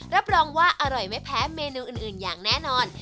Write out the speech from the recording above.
รับรองว่าอร่อยไม่แพ้เมนูอื่นอย่างแน่นอน